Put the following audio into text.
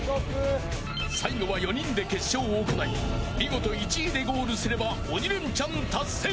最後は４人で決勝を行い見事１位でゴールすれば鬼レンチャン達成。